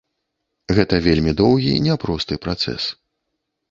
Гэта вельмі доўгі няпросты працэс.